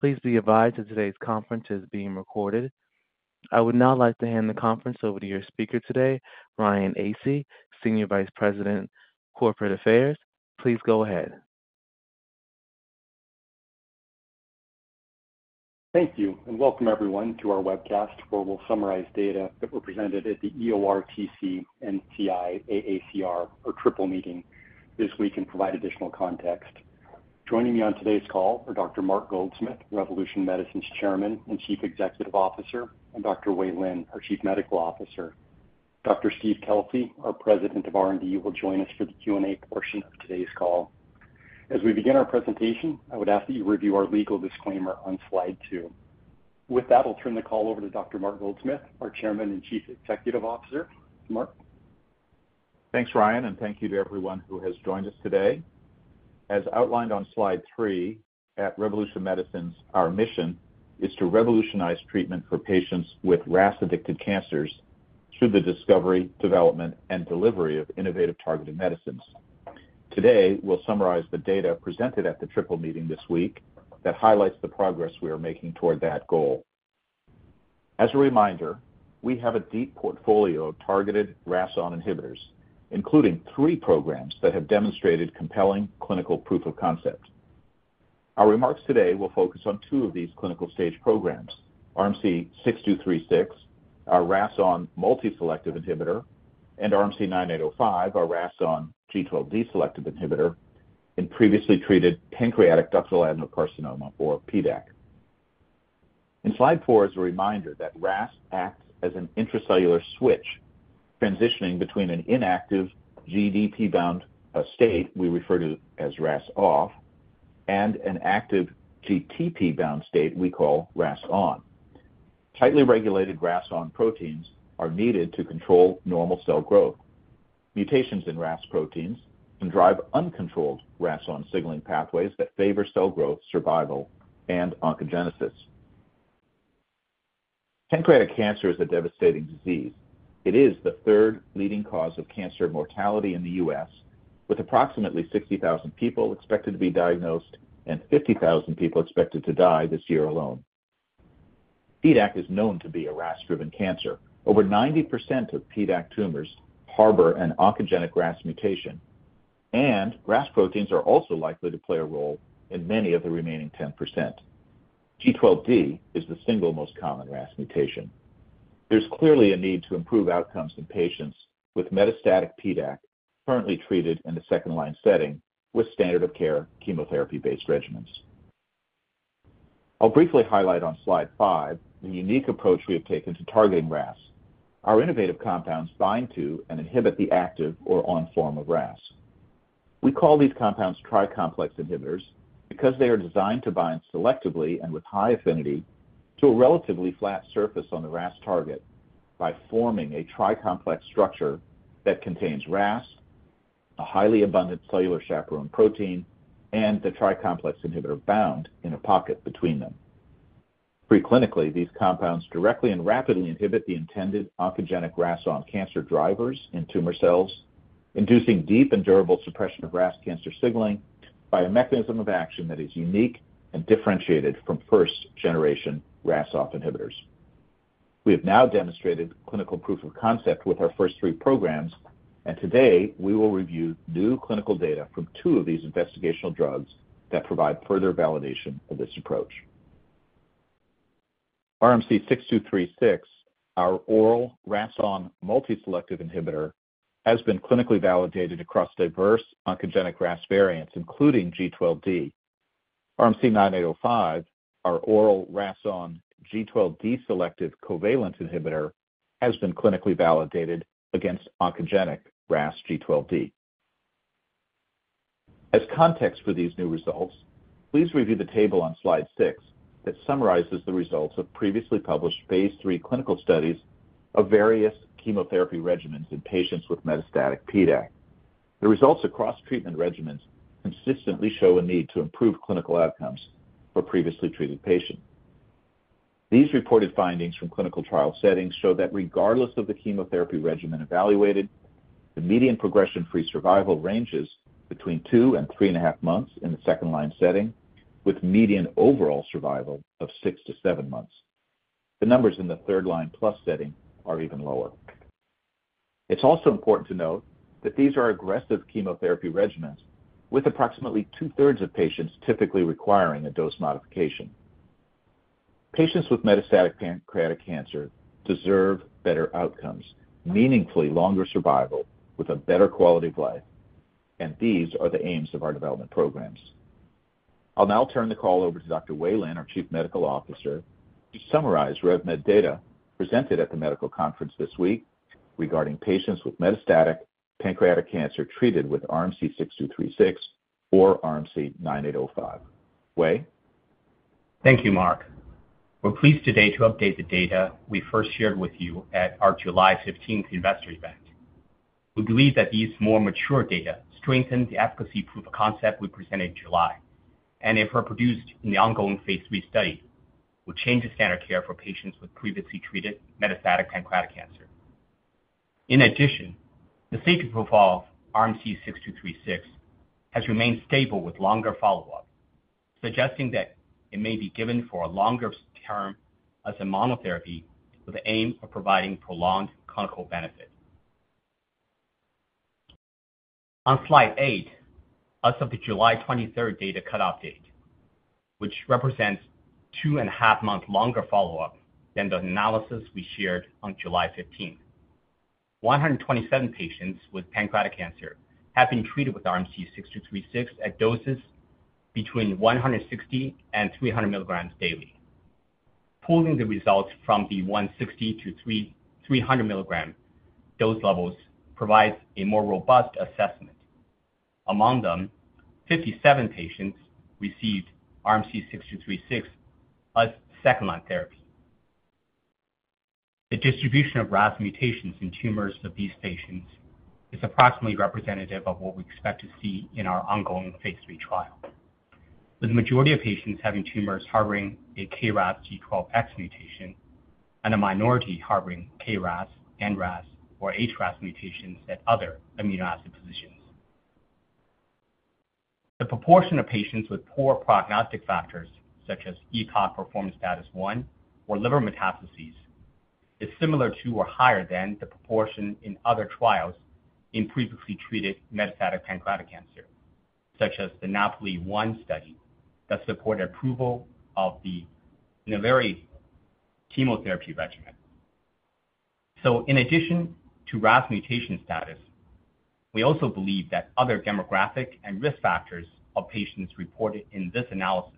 Please be advised that today's conference is being recorded. I would now like to hand the conference over to your speaker today, Ryan Aase, Senior Vice President, Corporate Affairs. Please go ahead. Thank you, and welcome everyone to our webcast, where we'll summarize data that were presented at the EORTC NCI AACR, or Triple Meeting, this week, and provide additional context. Joining me on today's call are Dr. Mark Goldsmith, Revolution Medicines' Chairman and Chief Executive Officer, and Dr. Wei Lin, our Chief Medical Officer. Dr. Steve Kelsey, our President of R&D, will join us for the Q&A portion of today's call. As we begin our presentation, I would ask that you review our legal disclaimer on slide two. With that, I'll turn the call over to Dr. Mark Goldsmith, our Chairman and Chief Executive Officer. Mark? Thanks, Ryan, and thank you to everyone who has joined us today. As outlined on slide three, at Revolution Medicines, our mission is to revolutionize treatment for patients with RAS-addicted cancers through the discovery, development, and delivery of innovative targeted medicines. Today, we'll summarize the data presented at the Triple Meeting this week that highlights the progress we are making toward that goal. As a reminder, we have a deep portfolio of targeted RAS-ON inhibitors, including three programs that have demonstrated compelling clinical proof of concept. Our remarks today will focus on two of these clinical stage programs, RMC-6236, our RAS-ON multi-selective inhibitor, and RMC-9805, our RAS-ON G-12 D selective inhibitor in previously treated pancreatic ductal adenocarcinoma, or PDAC. In slide four is a reminder that RAS acts as an intracellular switch, transitioning between an inactive GDP-bound state we refer to as RAS-OFF, and an active GTP-bound state we call RAS-ON. Tightly regulated RAS-ON proteins are needed to control normal cell growth. Mutations in RAS proteins can drive uncontrolled RAS-ON signaling pathways that favor cell growth, survival, and oncogenesis. Pancreatic cancer is a devastating disease. It is the third leading cause of cancer mortality in the US, with approximately sixty thousand people expected to be diagnosed and fifty thousand people expected to die this year alone. PDAC is known to be a RAS-driven cancer. Over 90% of PDAC tumors harbor an oncogenic RAS mutation, and RAS proteins are also likely to play a role in many of the remaining 10%. G12D is the single most common RAS mutation. There's clearly a need to improve outcomes in patients with metastatic PDAC, currently treated in a second-line setting with standard of care chemotherapy-based regimens. I'll briefly highlight on slide five the unique approach we have taken to targeting RAS. Our innovative compounds bind to and inhibit the active RAS-ON form of RAS. We call these compounds tricomplex inhibitors because they are designed to bind selectively and with high affinity to a relatively flat surface on the RAS target by forming a tricomplex structure that contains RAS, a highly abundant cellular chaperone protein, and the tricomplex inhibitor bound in a pocket between them. Preclinically, these compounds directly and rapidly inhibit the intended oncogenic RAS-ON cancer drivers in tumor cells, inducing deep and durable suppression of RAS cancer signaling by a mechanism of action that is unique and differentiated from first generation RAS-OFF inhibitors. We have now demonstrated clinical proof of concept with our first three programs, and today we will review new clinical data from two of these investigational drugs that provide further validation of this approach. RMC-6236, our oral RAS-ON multi-selective inhibitor, has been clinically validated across diverse oncogenic RAS variants, including G12D. RMC-9805, our oral RAS-ON G12D selective covalent inhibitor, has been clinically validated against oncogenic RAS G12D. As context for these new results, please review the table on slide six that summarizes the results of previously published phase 3 clinical studies of various chemotherapy regimens in patients with metastatic PDAC. The results across treatment regimens consistently show a need to improve clinical outcomes for previously treated patients. These reported findings from clinical trial settings show that regardless of the chemotherapy regimen evaluated, the median progression-free survival ranges between two and three and a half months in the second-line setting, with median overall survival of six to seven months. The numbers in the third-line plus setting are even lower. It's also important to note that these are aggressive chemotherapy regimens, with approximately two-thirds of patients typically requiring a dose modification. Patients with metastatic pancreatic cancer deserve better outcomes, meaningfully longer survival, with a better quality of life, and these are the aims of our development programs. I'll now turn the call over to Dr. Wei Lin, our Chief Medical Officer, to summarize RevMed data presented at the medical conference this week regarding patients with metastatic pancreatic cancer treated with RMC-6236 or RMC-9805. Wei? Thank you, Mark. We're pleased today to update the data we first shared with you at our July fifteenth investor event. We believe that these more mature data strengthen the efficacy proof of concept we presented in July, and if reproduced in the ongoing phase three study, will change the standard of care for patients with previously treated metastatic pancreatic cancer. In addition, the safety profile of RMC- 6236 has remained stable with longer follow-up, suggesting that it may be given for a longer term as a monotherapy with the aim of providing prolonged clinical benefit. On slide 8, as of the July twenty-third data cut-off date, which represents two and a half months longer follow-up than the analysis we shared on July fifteenth, 127 patients with pancreatic cancer have been treated with RMC-6236 at doses between 160-300 milligrams daily. Pulling the results from the 160 to 300 milligram dose levels provides a more robust assessment. Among them, 57 patients received RMC-6236 as second-line therapy. The distribution of RAS mutations in tumors of these patients is approximately representative of what we expect to see in our ongoing phase 3 trial, with the majority of patients having tumors harboring a KRAS G12X mutation and a minority harboring KRAS, NRAS, or HRAS mutations at other amino acid positions. The proportion of patients with poor prognostic factors, such as ECOG performance status 1 or liver metastases, is similar to or higher than the proportion in other trials in previously treated metastatic pancreatic cancer, such as the NAPOLI-1 study that supported approval of the Onivyde chemotherapy regimen. In addition to RAS mutation status, we also believe that other demographic and risk factors of patients reported in this analysis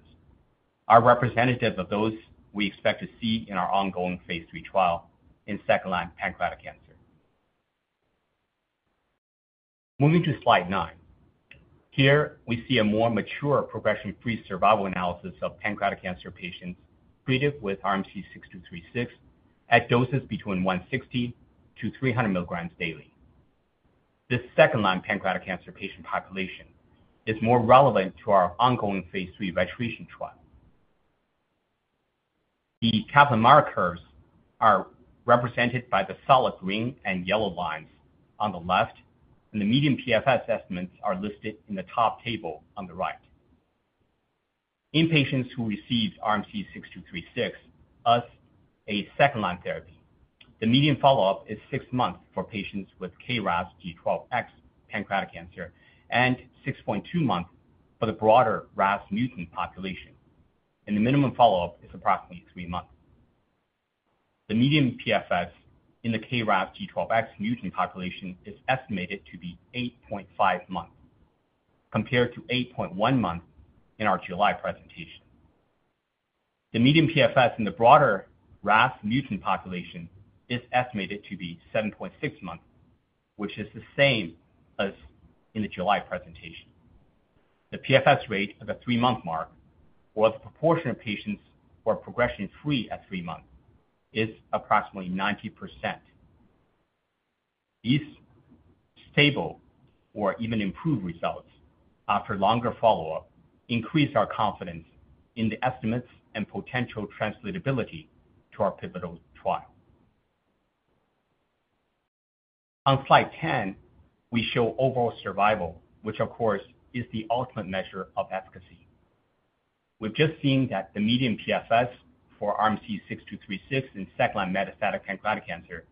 are representative of those we expect to see in our ongoing phase 3 trial in second-line pancreatic cancer. Moving to slide nine. Here, we see a more mature progression-free survival analysis of pancreatic cancer patients treated with RMC-6236 at doses between 160-300 milligrams daily. This second-line pancreatic cancer patient population is more relevant to our ongoing phase 3 registration trial. The Kaplan-Meier curves are represented by the solid green and yellow lines on the left, and the median PFS estimates are listed in the top table on the right. In patients who received RMC-6236 as a second-line therapy, the median follow-up is six months for patients with KRAS G12X pancreatic cancer and six point two months for the broader RAS mutant population, and the minimum follow-up is approximately three months. The median PFS in the KRAS G12X mutant population is estimated to be eight point five months, compared to eight point one months in our July presentation. The median PFS in the broader RAS mutant population is estimated to be seven point six months, which is the same as in the July presentation. The PFS rate of the three-month mark or the proportion of patients who are progression free at three months, is approximately 90%. These stable or even improved results after longer follow-up increase our confidence in the estimates and potential translatability to our pivotal trial. On slide ten, we show overall survival, which of course, is the ultimate measure of efficacy. We've just seen that the median PFS for RMC-6236 in second-line metastatic pancreatic cancer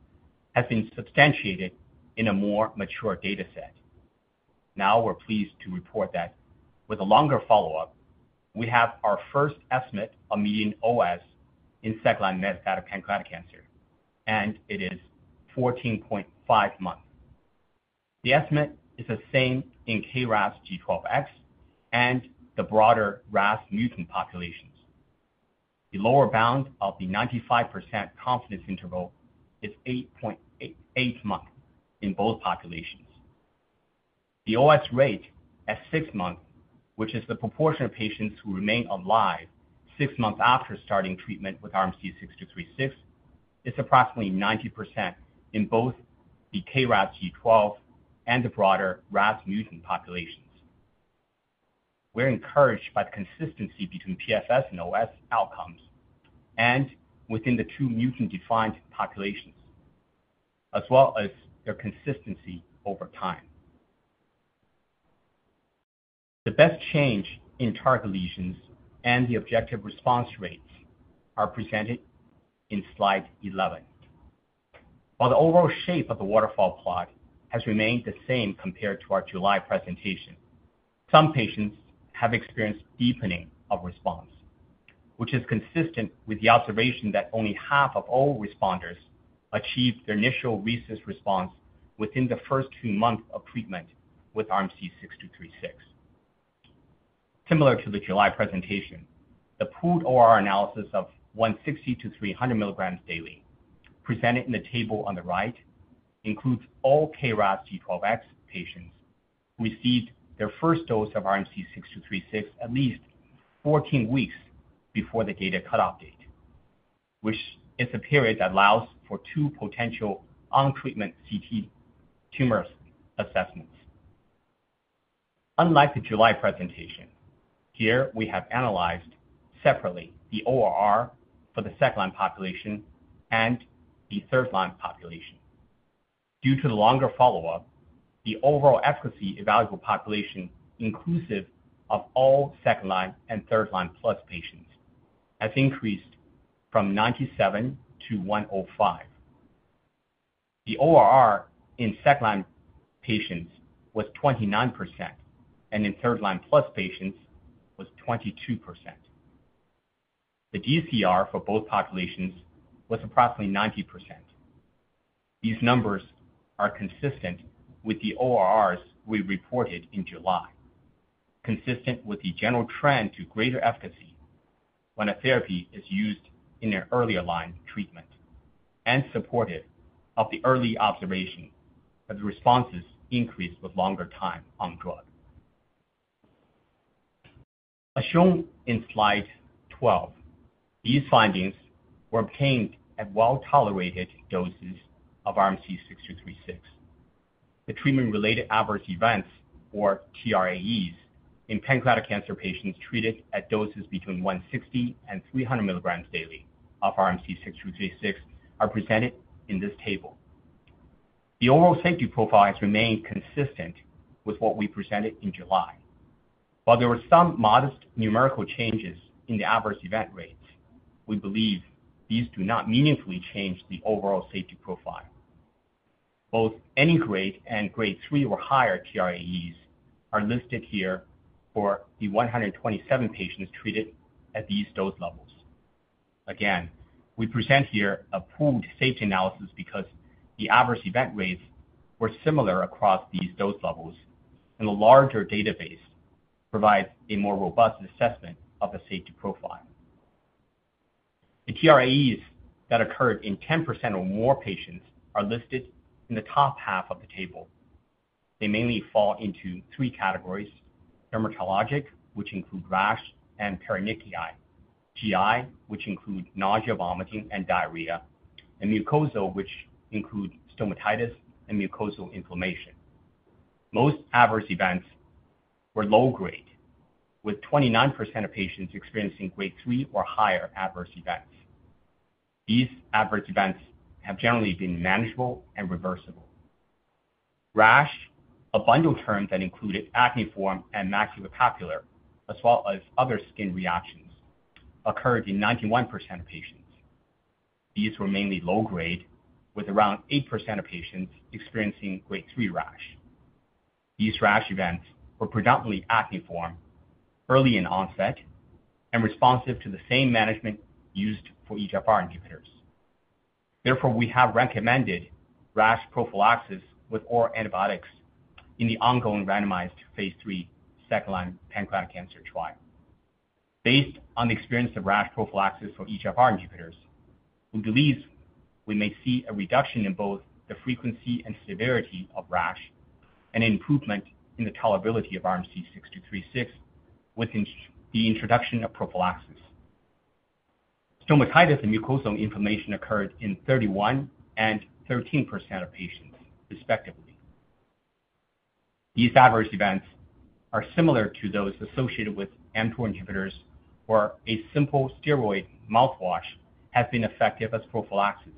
has been substantiated in a more mature data set. Now we're pleased to report that with a longer follow-up, we have our first estimate of median OS in second-line metastatic pancreatic cancer, and it is fourteen point five months. The estimate is the same in KRAS G12X and the broader RAS mutant populations. The lower bound of the 95% confidence interval is eight point eight months in both populations. The OS rate at six months, which is the proportion of patients who remain alive six months after starting treatment with RMC-6236, is approximately 90% in both the KRAS G12 and the broader RAS mutant populations. We're encouraged by the consistency between PFS and OS outcomes and within the two mutant-defined populations, as well as their consistency over time. The best change in target lesions and the objective response rates are presented in slide 11. While the overall shape of the waterfall plot has remained the same compared to our July presentation, some patients have experienced deepening of response, which is consistent with the observation that only half of all responders achieved their initial RECIST response within the first two months of treatment with RMC-6236. Similar to the July presentation, the pooled OR analysis of 160-300 milligrams daily, presented in the table on the right, includes all KRAS G12X patients who received their first dose of RMC-6236 at least 14 weeks before the data cut-off date, which is a period that allows for two potential on-treatment CT tumor assessments.... Unlike the July presentation, here we have analyzed separately the ORR for the second-line population and the third-line population. Due to the longer follow-up, the overall efficacy evaluable population, inclusive of all second-line and third-line plus patients, has increased from 97 to 105. The ORR in second-line patients was 29%, and in third-line plus patients was 22%. The DCR for both populations was approximately 90%. These numbers are consistent with the ORRs we reported in July, consistent with the general trend to greater efficacy when a therapy is used in an earlier line of treatment and supportive of the early observation that the responses increase with longer time on drug. As shown in slide 12, these findings were obtained at well-tolerated doses of RMC-6236. The treatment-related adverse events, or TRAEs, in pancreatic cancer patients treated at doses between 160 and 300 milligrams daily of RMC-6236 are presented in this table. The overall safety profiles remain consistent with what we presented in July. While there were some modest numerical changes in the adverse event rates, we believe these do not meaningfully change the overall safety profile. Both any grade and grade three or higher TRAEs are listed here for the 127 patients treated at these dose levels. Again, we present here a pooled safety analysis because the adverse event rates were similar across these dose levels, and the larger database provides a more robust assessment of the safety profile. The TRAEs that occurred in 10% or more patients are listed in the top half of the table. They mainly fall into three categories: dermatologic, which include rash and paronychia, GI, which include nausea, vomiting, and diarrhea, and mucosal, which include stomatitis and mucosal inflammation. Most adverse events were low grade, with 29% of patients experiencing grade three or higher adverse events. These adverse events have generally been manageable and reversible. Rash, a bundle term that included acneiform and maculopapular, as well as other skin reactions, occurred in 91% of patients. These were mainly low grade, with around 8% of patients experiencing grade three rash. These rash events were predominantly acneiform, early in onset, and responsive to the same management used for EGFR inhibitors. Therefore, we have recommended rash prophylaxis with oral antibiotics in the ongoing randomized phase 3 second-line pancreatic cancer trial. Based on the experience of rash prophylaxis for EGFR inhibitors, we believe we may see a reduction in both the frequency and severity of rash and improvement in the tolerability of RMC-6236 with the introduction of prophylaxis. Stomatitis and mucosal inflammation occurred in 31% and 13% of patients, respectively. These adverse events are similar to those associated with mTOR inhibitors, where a simple steroid mouthwash has been effective as prophylaxis.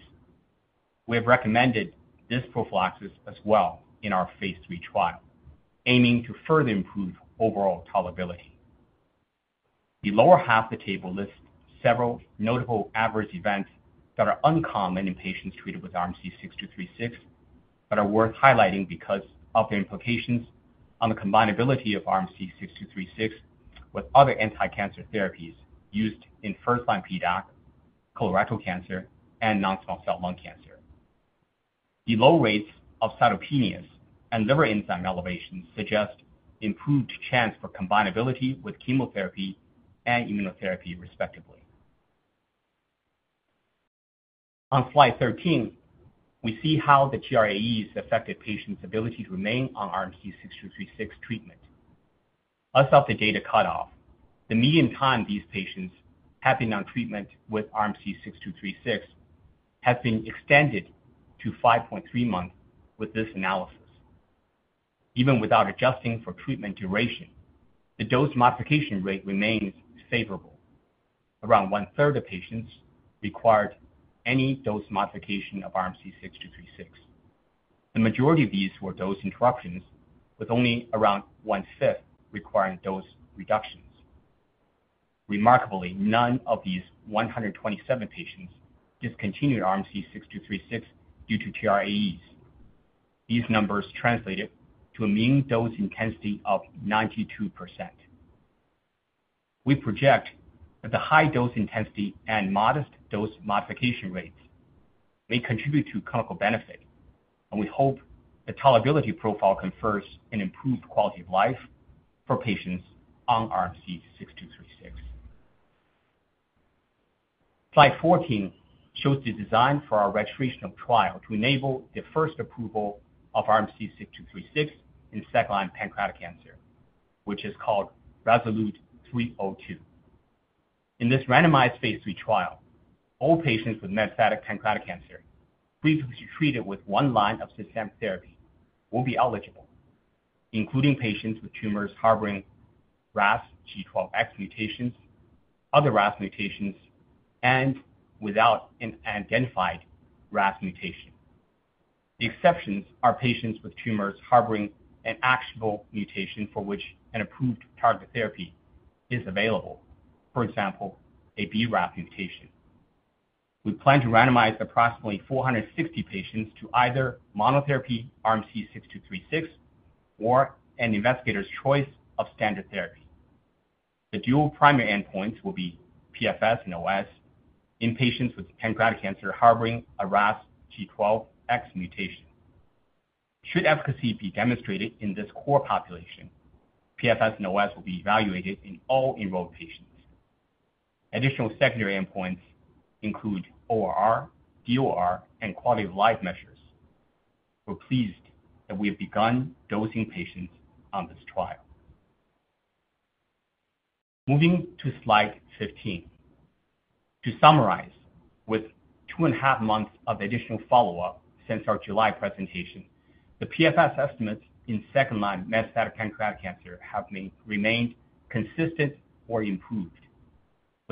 We have recommended this prophylaxis as well in our phase 3 trial, aiming to further improve overall tolerability. The lower half of the table lists several notable adverse events that are uncommon in patients treated with RMC-6236, but are worth highlighting because of the implications on the combinability of RMC-6236 with other anticancer therapies used in first-line PDAC, colorectal cancer, and non-small cell lung cancer. The low rates of cytopenias and liver enzyme elevations suggest improved chance for combinability with chemotherapy and immunotherapy, respectively. On slide 13, we see how the TRAEs affected patients' ability to remain on RMC-6236 treatment. As of the data cutoff, the median time these patients have been on treatment with RMC-6236 has been extended to 5.3 months with this analysis. Even without adjusting for treatment duration, the dose modification rate remains favorable. Around one third of patients required any dose modification of RMC-6236. The majority of these were dose interruptions, with only around one-fifth requiring dose reductions. Remarkably, none of these 127 patients discontinued RMC-6236 due to TRAEs. These numbers translated to a mean dose intensity of 92%. We project that the high dose intensity and modest dose modification rates may contribute to clinical benefit, and we hope the tolerability profile confers an improved quality of life for patients on RMC-6236. Slide 14 shows the design for our registration trial to enable the first approval of RMC-6236 in second-line pancreatic cancer, which is called RESOLUTE-302. In this randomized phase III trial, all patients with metastatic pancreatic canc er previously treated with one line of systemic therapy will be eligible, including patients with tumors harboring RAS G12X mutations, other RAS mutations, and without an identified RAS mutation. The exceptions are patients with tumors harboring an actionable mutation for which an approved targeted therapy is available. For example, a BRAF mutation. We plan to randomize approximately 460 patients to either monotherapy RMC-6236, or an investigator's choice of standard therapy. The dual primary endpoints will be PFS and OS in patients with pancreatic cancer harboring a RAS G12X mutation. Should efficacy be demonstrated in this core population, PFS and OS will be evaluated in all enrolled patients. Additional secondary endpoints include ORR, DOR, and quality of life measures. We're pleased that we have begun dosing patients on this trial. Moving to slide 15. To summarize, with two and a half months of additional follow-up since our July presentation, the PFS estimates in second-line metastatic pancreatic cancer have remained consistent or improved,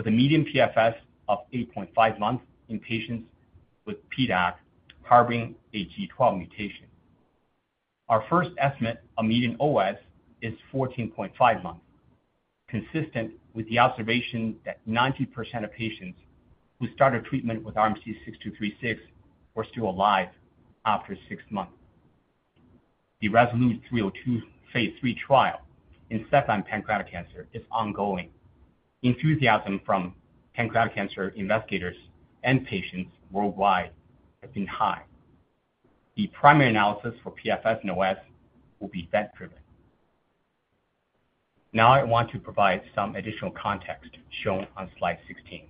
with a median PFS of 8.5 months in patients with PDAC harboring a G12 mutation. Our first estimate of median OS is 14.5 months, consistent with the observation that 90% of patients who started treatment with RMC-6236 were still alive after six months. The RESOLUTE-302 phase 3 trial in second-line pancreatic cancer is ongoing. Enthusiasm from pancreatic cancer investigators and patients worldwide has been high. The primary analysis for PFS and OS will be event-driven. Now, I want to provide some additional context shown on slide 16.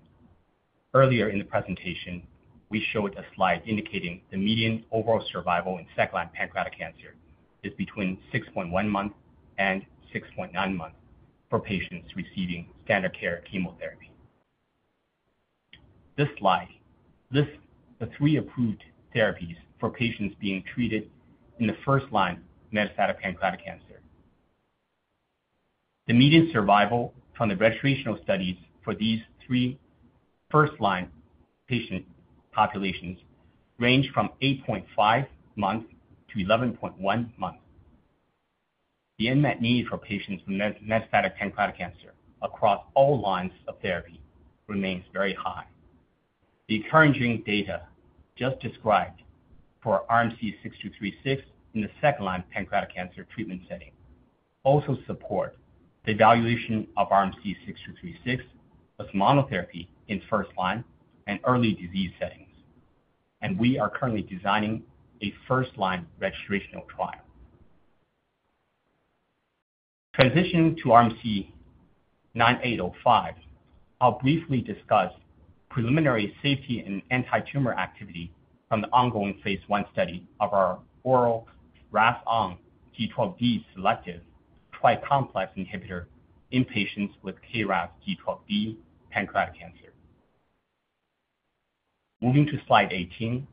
Earlier in the presentation, we showed a slide indicating the median overall survival in second-line pancreatic cancer is between 6.1 months and 6.9 months for patients receiving standard care chemotherapy. This slide lists the three approved therapies for patients being treated in the first line, metastatic pancreatic cancer. The median survival from the registrational studies for these three first-line patient populations range from 8.5 months to 11.1 months. The unmet need for patients with metastatic pancreatic cancer across all lines of therapy remains very high. The encouraging data just described for RMC-6236 in the second-line pancreatic cancer treatment setting also support the evaluation of RMC-6236 as monotherapy in first-line and early disease settings, and we are currently designing a first-line registrational trial. Transitioning to RMC-9805, I'll briefly discuss preliminary safety and anti-tumor activity from the ongoing phase I study of our oral RAS-ON G12D selective tricomplex inhibitor in patients with KRAS G12D pancreatic cancer. Moving to slide 18,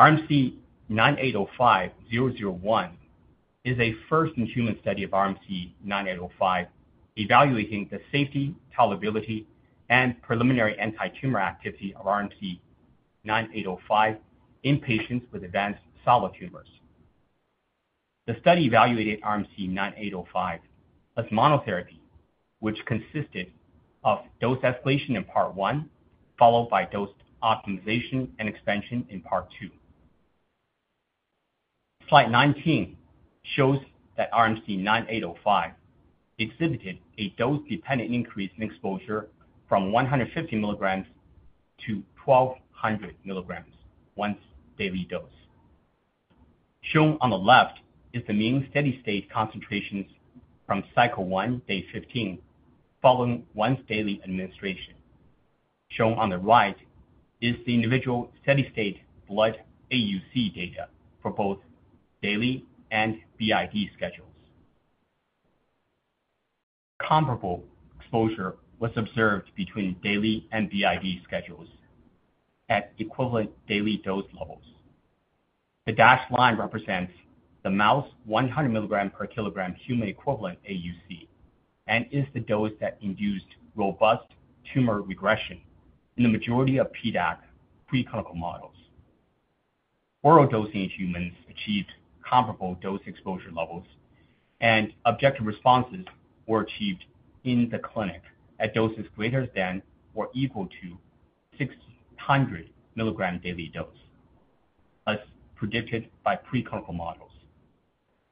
RMC-9805-001 is a first-in-human study of RMC-9805, evaluating the safety, tolerability, and preliminary anti-tumor activity of RMC-9805 in patients with advanced solid tumors. The study evaluated RMC-9805 as monotherapy, which consisted of dose escalation in part one, followed by dose optimization and expansion in part two. Slide 19 shows that RMC-9805 exhibited a dose- dependent increase in exposure from 150 mg to 1200 mg once daily dose. Shown on the left is the mean steady-state concentrations from cycle 1, day 15, following once daily administration. Shown on the right is the individual steady-state blood AUC data for both daily and BID schedules. Comparable exposure was observed between daily and BID schedules at equivalent daily dose levels. The dashed line represents the mouse 100 milligram per kilogram human equivalent AUC, and is the dose that induced robust tumor regression in the majority of PDAC preclinical models. Oral dosing in humans achieved comparable dose exposure levels, and objective responses were achieved in the clinic at doses greater than or equal to 600 milligram daily dose, as predicted by preclinical models.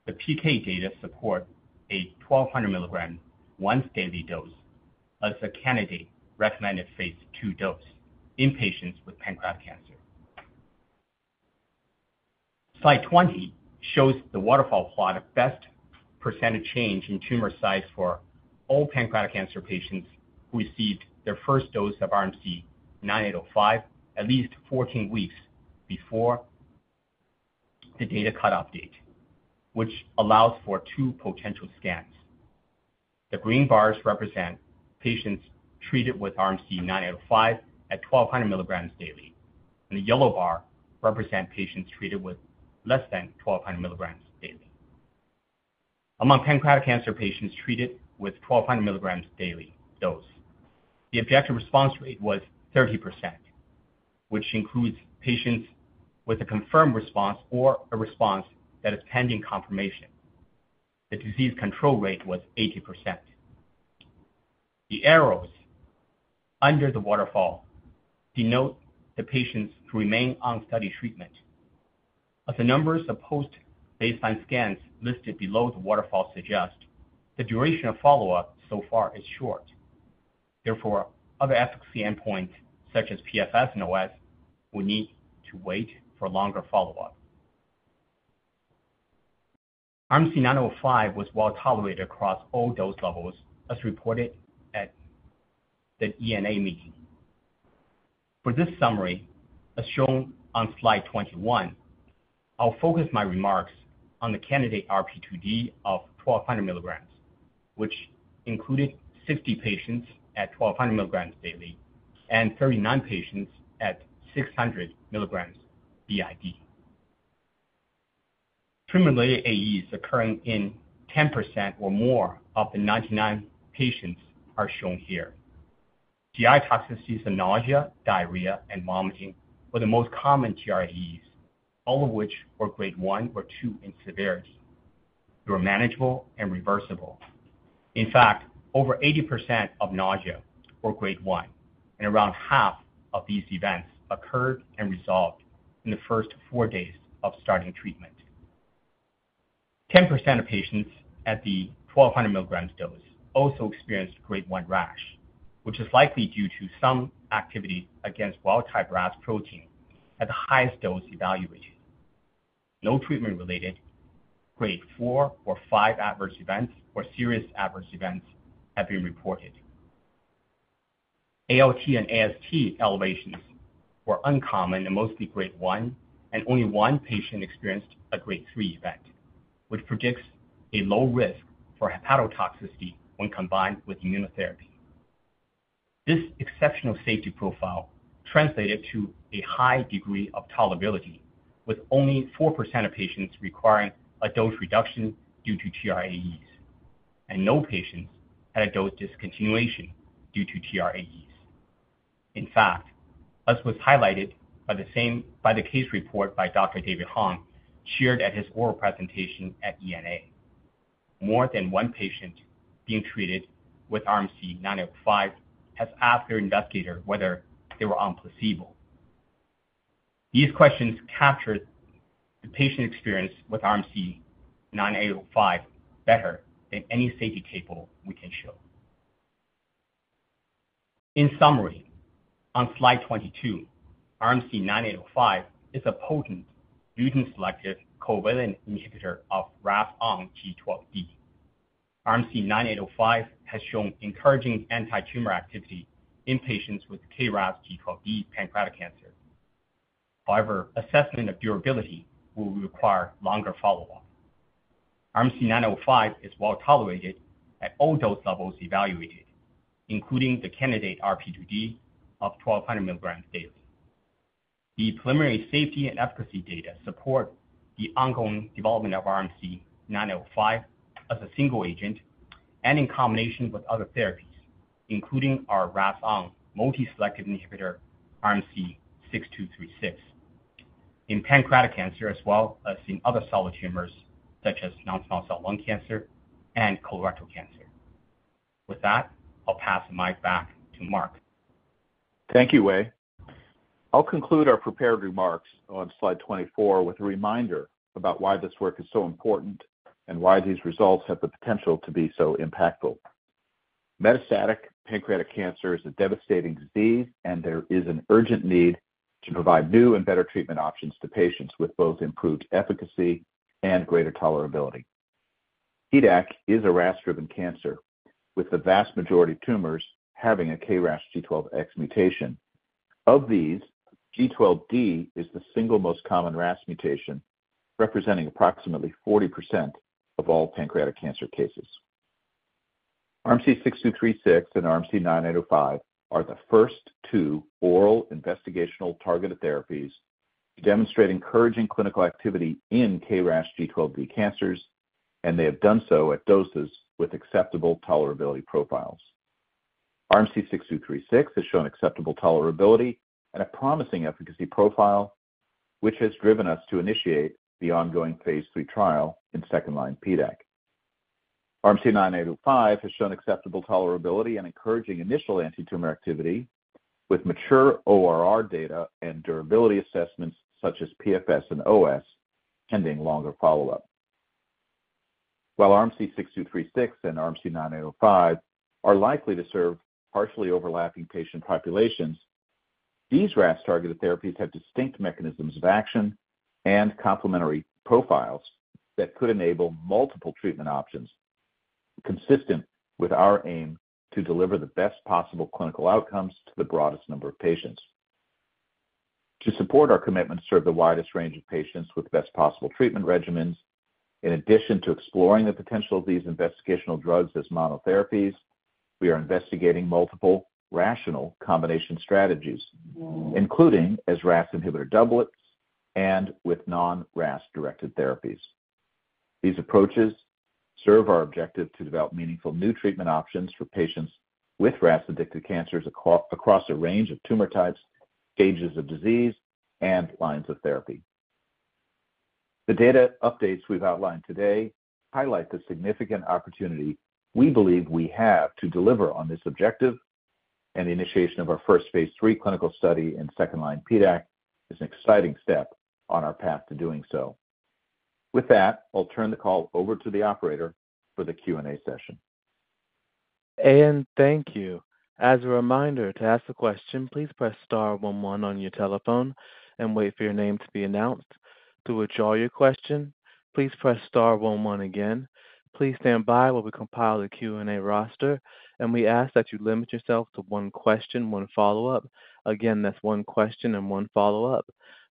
The PK data support a 1200 milligram once daily dose as a candidate recommended phase II dose in patients with pancreatic cancer. Slide 20 shows the waterfall plot of best percentage change in tumor size for all pancreatic cancer patients who received their first dose of RMC-9805 at least 14 weeks before the data cut-off date, which allows for two potential scans. The green bars represent patients treated with RMC-9805 at 1,200 milligrams daily, and the yellow bar represent patients treated with less than 1,200 milligrams daily. Among pancreatic cancer patients treated with 1,200 milligrams daily dose, the objective response rate was 30%, which includes patients with a confirmed response or a response that is pending confirmation. The disease control rate was 80%. The arrows under the waterfall denote the patients who remain on study treatment. As the numbers of post-baseline scans listed below the waterfall suggest, the duration of follow-up so far is short. Therefore, other efficacy endpoints, such as PFS and OS, will need to wait for longer follow-up. RMC-9805 was well tolerated across all dose levels, as reported at the ENA meeting. For this summary, as shown on slide 21, I'll focus my remarks on the candidate RP2D of 1200 milligrams, which included 60 patients at 1200 milligrams daily and 39 patients at 600 milligrams BID. Primarily, AEs occurring in 10% or more of the 99 patients are shown here. GI toxicities and nausea, diarrhea, and vomiting were the most common GRAEs, all of which were grade one or two in severity, were manageable and reversible. In fact, over 80% of nausea were grade one, and around half of these events occurred and resolved in the first 4 days of starting treatment. 10% of patients at the 1200 milligrams dose also experienced grade one rash, which is likely due to some activity against wild-type RAS protein at the highest dose evaluated. No treatment-related grade four or five adverse events or serious adverse events have been reported. ALT and AST elevations were uncommon and mostly grade one, and only one patient experienced a grade three event, which predicts a low risk for hepatotoxicity when combined with immunotherapy. This exceptional safety profile translated to a high degree of tolerability, with only 4% of patients requiring a dose reduction due to TRAEs, and no patients had a dose discontinuation due to TRAEs. In fact, as was highlighted by the case report by Dr. David Hong, shared at his oral presentation at ENA, more than one patient being treated with RMC-9805 has asked their investigator whether they were on placebo. These questions captured the patient experience with RMC-9805 better than any safety table we can show. In summary, on slide 22, RMC-9805 is a potent, mutant-selective, covalent inhibitor of RAS-ON G12D. RMC-9805 has shown encouraging antitumor activity in patients with KRAS G12D pancreatic cancer. However, assessment of durability will require longer follow-up. RMC-9805 is well tolerated at all dose levels evaluated, including the candidate RP2D of 1,200 milligrams daily. The preliminary safety and efficacy data support the ongoing development of RMC-9805 as a single agent and in combination with other therapies, including our RAS-ON multi-selective inhibitor, RMC-6236, in pancreatic cancer as well as in other solid tumors such as non-small cell lung cancer and colorectal cancer. With that, I'll pass the mic back to Mark. Thank you, Wei. I'll conclude our prepared remarks on slide 24 with a reminder about why this work is so important and why these results have the potential to be so impactful. Metastatic pancreatic cancer is a devastating disease, and there is an urgent need to provide new and better treatment options to patients with both improved efficacy and greater tolerability. PDAC is a RAS-driven cancer, with the vast majority of tumors having a KRAS G12X mutation. Of these, G12D is the single most common RAS mutation, representing approximately 40% of all pancreatic cancer cases. RMC-6236 and RMC-9805 are the first two oral investigational targeted therapies to demonstrate encouraging clinical activity in KRAS G12D cancers, and they have done so at doses with acceptable tolerability profiles. RMC-6236 has shown acceptable tolerability and a promising efficacy profile, which has driven us to initiate the ongoing phase three trial in second-line PDAC. RMC-9805 has shown acceptable tolerability and encouraging initial antitumor activity with mature ORR data and durability assessments such as PFS and OS, pending longer follow-up. While RMC-6236 and RMC-9805 are likely to serve partially overlapping patient populations, these RAS-targeted therapies have distinct mechanisms of action and complementary profiles that could enable multiple treatment options. ... consistent with our aim to deliver the best possible clinical outcomes to the broadest number of patients. To support our commitment to serve the widest range of patients with the best possible treatment regimens, in addition to exploring the potential of these investigational drugs as monotherapies, we are investigating multiple rational combination strategies, including as RAS inhibitor doublets and with non-RAS-directed therapies. These approaches serve our objective to develop meaningful new treatment options for patients with RAS-addicted cancers across a range of tumor types, stages of disease, and lines of therapy. The data updates we've outlined today highlight the significant opportunity we believe we have to deliver on this objective, and the initiation of our first phase III clinical study in second-line PDAC is an exciting step on our path to doing so. With that, I'll turn the call over to the operator for the Q&A session. Thank you. As a reminder, to ask a question, please press star one one on your telephone and wait for your name to be announced. To withdraw your question, please press star one one again. Please stand by while we compile the Q&A roster, and we ask that you limit yourself to one question, one follow-up. Again, that's one question and one follow-up.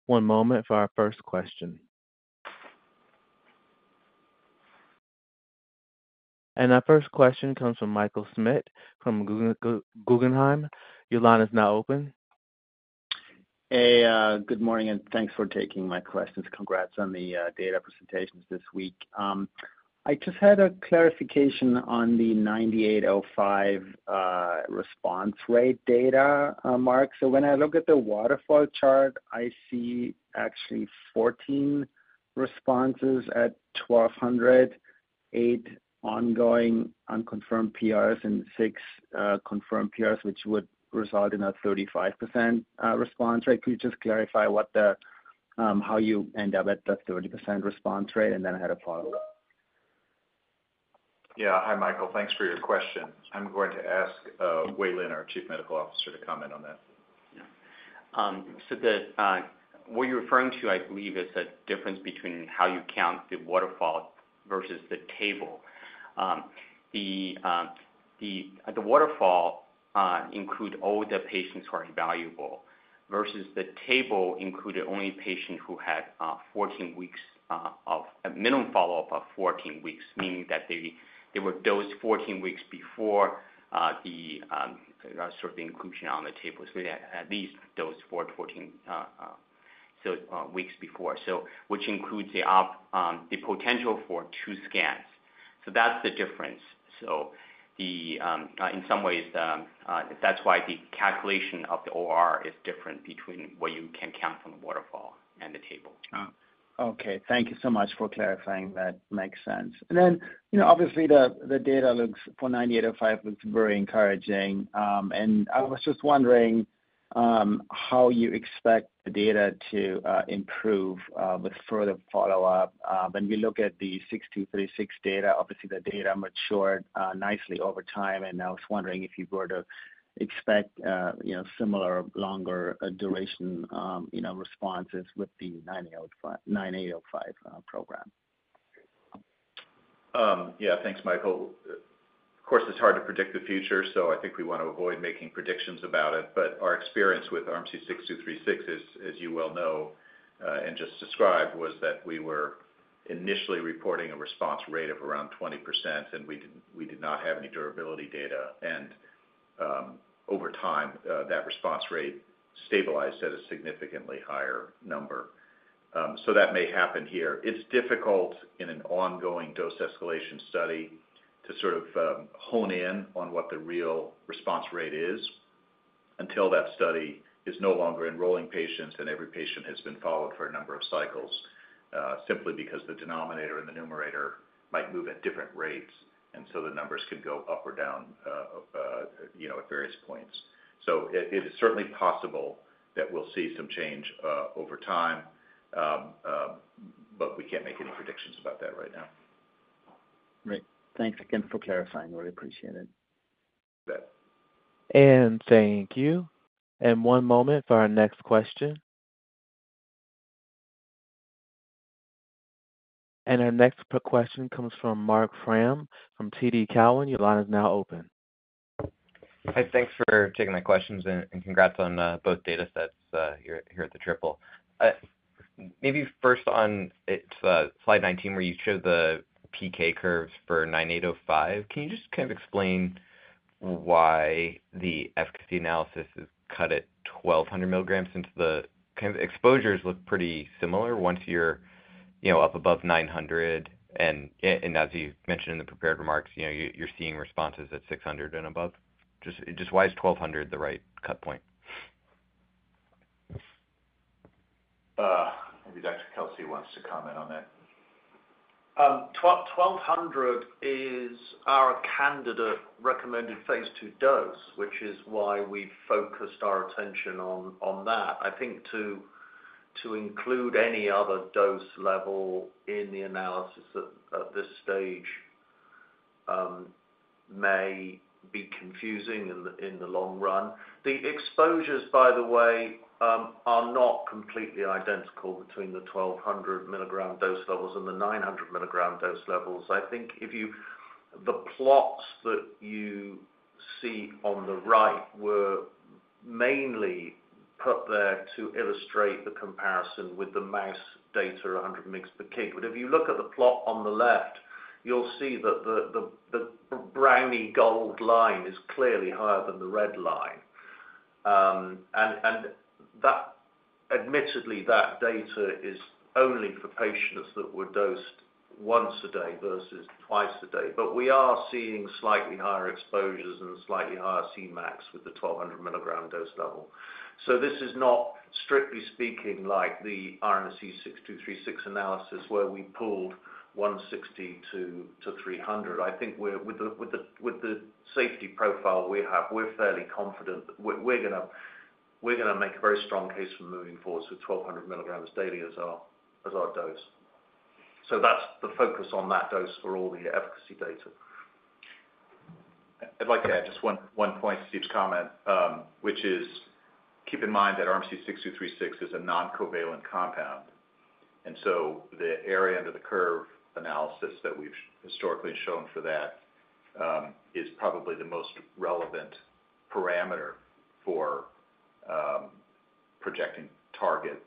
One moment for our first question. Our first question comes from Michael Schmidt from Guggenheim. Your line is now open. Hey, good morning, and thanks for taking my questions. Congrats on the data presentations this week. I just had a clarification on the RMC-9805 response rate data, Mark. So when I look at the waterfall chart, I see actually 14 responses at 1,200, 8 ongoing unconfirmed PRs and 6 confirmed PRs, which would result in a 35% response rate. Can you just clarify how you end up at that 30% response rate? And then I had a follow-up. Yeah. Hi, Michael. Thanks for your question. I'm going to ask, Wei Lin, our Chief Medical Officer, to comment on that. Yeah. So the what you're referring to, I believe, is the difference between how you count the waterfall versus the table. The waterfall include all the patients who are evaluable, versus the table included only patient who had fourteen weeks of a minimum follow-up of fourteen weeks, meaning that they were dosed fourteen weeks before the sort of the inclusion on the table. So they at least dosed for fourteen weeks before, so which includes the potential for two scans. So that's the difference. So in some ways that's why the calculation of the OR is different between what you can count from the waterfall and the table. Oh, okay. Thank you so much for clarifying. That makes sense. And then, you know, obviously, the data for 9805 looks very encouraging, and I was just wondering how you expect the data to improve with further follow-up. When we look at the 6236 data, obviously, the data matured nicely over time, and I was wondering if you were to expect, you know, similar longer duration, you know, responses with the 9805 program. Yeah. Thanks, Michael. Of course, it's hard to predict the future, so I think we want to avoid making predictions about it. But our experience with RMC-6236 is, as you well know, and just described, was that we were initially reporting a response rate of around 20%, and we did not have any durability data. And over time, that response rate stabilized at a significantly higher number. So that may happen here. It's difficult in an ongoing dose escalation study to sort of hone in on what the real response rate is until that study is no longer enrolling patients and every patient has been followed for a number of cycles, simply because the denominator and the numerator might move at different rates, and so the numbers could go up or down, you know, at various points. So it is certainly possible that we'll see some change over time. But we can't make any predictions about that right now. Great. Thanks again for clarifying. Really appreciate it. You bet. Thank you. One moment for our next question. Our next question comes from Marc Frahm from TD Cowen. Your line is now open. Hi. Thanks for taking my questions, and congrats on both data sets here at the triple. Maybe first on it's slide nineteen, where you show the PK curves for 9805 can you just kind of explain why the efficacy analysis is cut at twelve hundred milligrams, since the kind of exposures look pretty similar once you're up above nine hundred, and as you've mentioned in the prepared remarks, you know, you're seeing responses at six hundred and above. Just why is twelve hundred the right cut point? Maybe Dr. Kelsey wants to comment on that. Twelve hundred is our candidate recommended Phase II dose, which is why we focused our attention on that. I think to include any other dose level in the analysis at this stage may be confusing in the long run. The exposures, by the way, are not completely identical between the twelve hundred milligram dose levels and the nine hundred milligram dose levels. I think the plots that you see on the right were mainly put there to illustrate the comparison with the mouse data, 100 mgs per kg. But if you look at the plot on the left, you'll see that the brownie gold line is clearly higher than the red line. And that, admittedly, that data is only for patients that were dosed once a day versus twice a day. But we are seeing slightly higher exposures and slightly higher Cmax with the 1200 milligram dose level. So this is not, strictly speaking, like the RMC-6236 analysis, where we pulled 160 to 300. I think with the safety profile we have, we're fairly confident that we're gonna make a very strong case for moving forward to 1200 milligrams daily as our dose. So that's the focus on that dose for all the efficacy data. I'd like to add just one point to Steve's comment, which is, keep in mind that RMC-6236 is a non-covalent compound, and so the area under the curve analysis that we've historically shown for that, is probably the most relevant parameter for, projecting target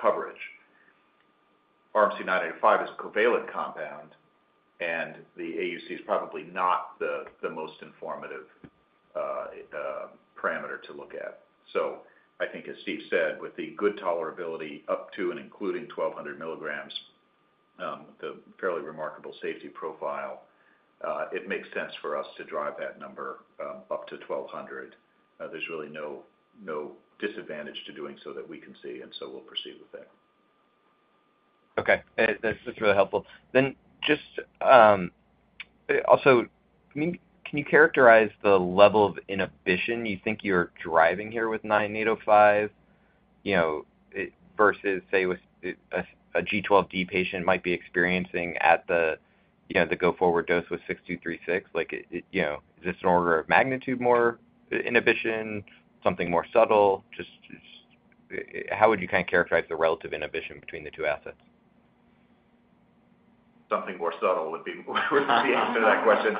coverage. RMC-9805 is a covalent compound, and the AUC is probably not the most informative parameter to look at. So I think, as Steve said, with the good tolerability up to and including 1200 milligrams, the fairly remarkable safety profile, it makes sense for us to drive that number up to 1200. There's really no disadvantage to doing so that we can see, and so we'll proceed with that. Okay. That's just really helpful. Then just also, can you characterize the level of inhibition you think you're driving here with RMC-9805, you know, it versus, say, with a G12D patient might be experiencing at the, you know, the go-forward dose with RMC-6236? Like, you know, is this an order of magnitude more inhibition, something more subtle? Just how would you kind of characterize the relative inhibition between the two assets? Something more subtle would be the answer to that question.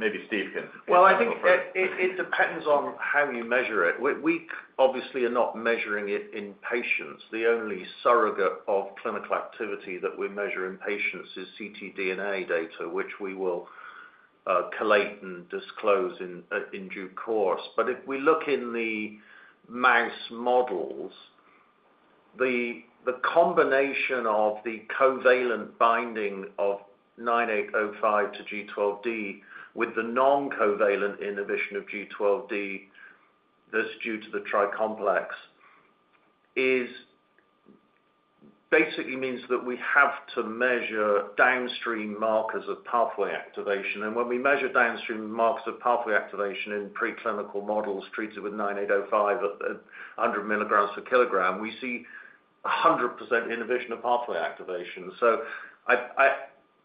Maybe Steve can- Well, I think it depends on how you measure it. We obviously are not measuring it in patients. The only surrogate of clinical activity that we measure in patients is ctDNA data, which we will collate and disclose in due course. But if we look in the mouse models, the combination of the covalent binding of RMC-9805 to G12D with the non-covalent inhibition of G12D, that's due to the tricomplex, is basically means that we have to measure downstream markers of pathway activation. And when we measure downstream markers of pathway activation in preclinical models treated with RMC-9805 at 100 milligrams per kilogram, we see 100% inhibition of pathway activation. So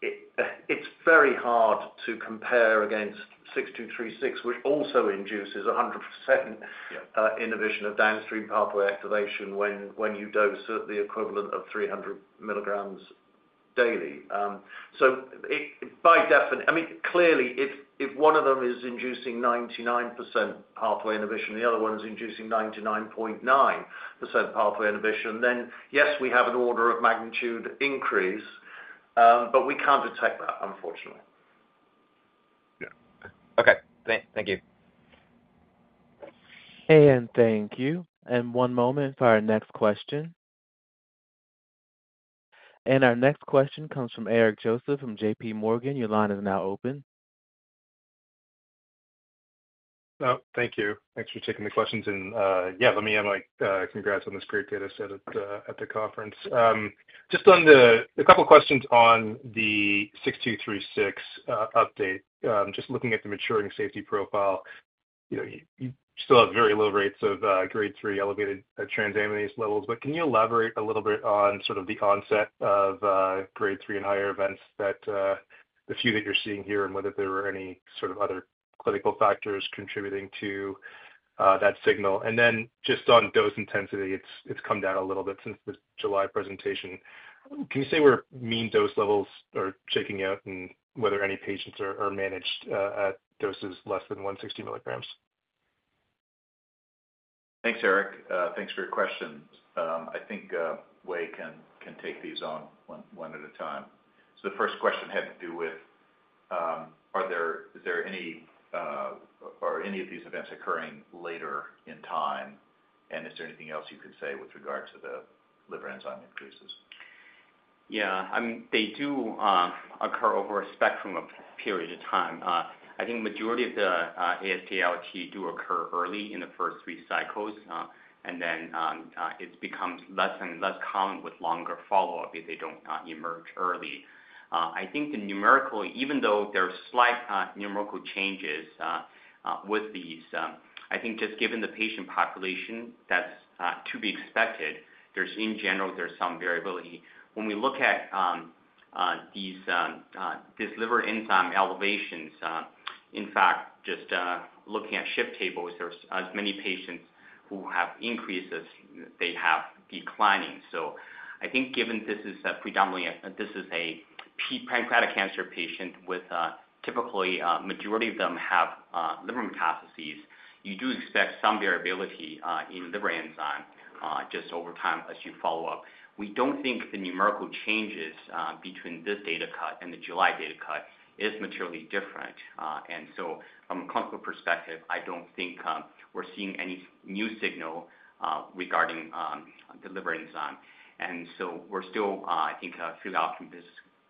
it's very hard to compare against RMC-6236, which also induces 100% Yeah... inhibition of downstream pathway activation when you dose at the equivalent of 300 milligrams daily. So by definition, I mean, clearly, if one of them is inducing 99% pathway inhibition, the other one is inducing 99.9% pathway inhibition, then yes, we have an order of magnitude increase, but we can't detect that, unfortunately. Yeah. Okay. Thank you. And thank you. And one moment for our next question. And our next question comes from Eric Joseph, from JP Morgan. Your line is now open. Oh, thank you. Thanks for taking the questions. And, yeah, let me add my congrats on this great data set at the conference. Just on the... A couple questions on the 6236 update. Just looking at the maturing safety profile, you know, you still have very low rates of grade three elevated transaminase levels. But can you elaborate a little bit on sort of the onset of grade three and higher events that the few that you're seeing here, and whether there were any sort of other clinical factors contributing to that signal? And then just on dose intensity, it's come down a little bit since the July presentation. Can you say where mean dose levels are shaking out and whether any patients are managed at doses less than 160 milligrams? Thanks, Eric. Thanks for your questions. I think Wei can take these on one at a time. The first question had to do with are there, is there any, are any of these events occurring later in time? And is there anything else you can say with regards to the liver enzyme increases? Yeah, I mean, they do occur over a spectrum of period of time. I think majority of the AST/ALT do occur early in the first three cycles, and then it becomes less and less common with longer follow-up if they don't emerge early. I think the numerically even though there are slight numerical changes with these, I think just given the patient population, that's to be expected. There's, in general, there's some variability. When we look at this liver enzyme elevations. In fact, just looking at shift tables, there's as many patients who have increases, they have declining. So I think given this is a predominantly, this is a pancreatic cancer patient with, typically, majority of them have, liver metastases, you do expect some variability, in liver enzyme, just over time as you follow up. We don't think the numerical changes, between this data cut and the July data cut is materially different. And so from a clinical perspective, I don't think, we're seeing any new signal, regarding, the liver enzyme. And so we're still, I think, feel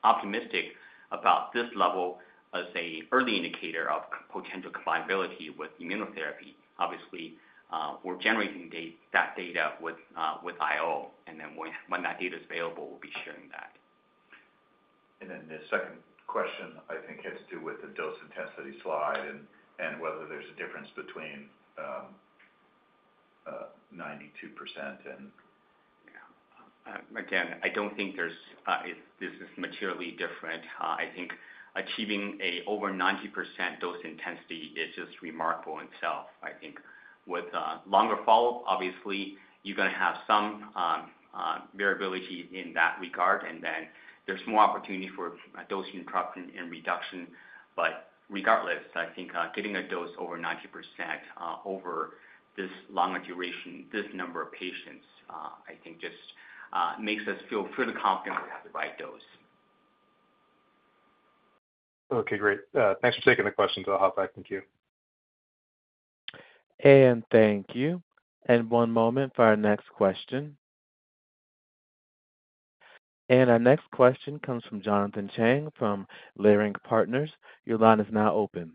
optimistic about this level as a early indicator of potential combinability with immunotherapy. Obviously, we're generating the, that data with, with IO, and then when, when that data is available, we'll be sharing that. And then the second question, I think, has to do with the dose intensity slide and whether there's a difference between 92% and- Yeah. Again, I don't think this is materially different. I think achieving over 90% dose intensity is just remarkable in itself. I think with longer follow-up, obviously, you're gonna have some variability in that regard, and then there's more opportunity for a dosing interruption and reduction. But regardless, I think getting a dose over 90% over this longer duration, this number of patients, I think just makes us feel pretty confident we have the right dose. Okay, great. Thanks for taking the questions. I'll hop back. Thank you. Thank you. One moment for our next question. Our next question comes from Jonathan Chang from Leerink Partners. Your line is now open.